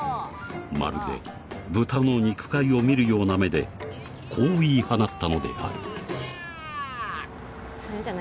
まるで豚の肉塊を見るような目でこう言い放ったのであるえ？